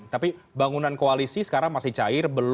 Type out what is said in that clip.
tapi bangunan koalisi sekarang masih cair